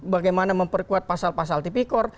bagaimana memperkuat pasal pasal tipikor